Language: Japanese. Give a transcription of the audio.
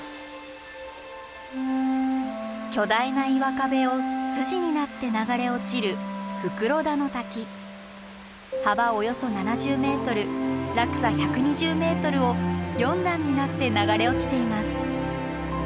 巨大な岩壁を筋になって流れ落ちる幅およそ７０ｍ落差１２０ｍを４段になって流れ落ちています。